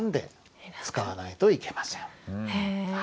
へえ。